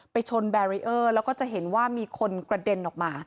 ชนแบรีเออร์แล้วก็จะเห็นว่ามีคนกระเด็นออกมา